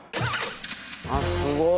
あっすごい。